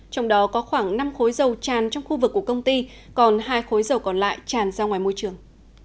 trong đó có khoảng năm khối dầu tràn trong khu vực của công ty còn hai khối dầu còn lại tràn ra ngoài môi trường